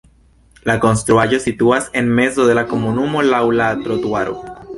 La konstruaĵo situas en mezo de la komunumo laŭ la trotuaro.